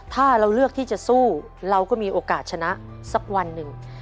ถ้าเราเลือกที่จะสู้เราก็มีโอกาสชนะสักวันหนึ่ง